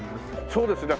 そうですね。